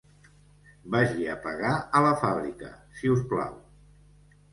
Vagi a pagar a la fàbrica, si us plau.